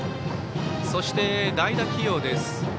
そして、代打起用です。